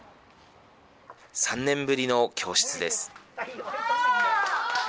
３年ぶりの教室です。